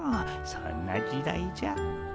そんな時代じゃ。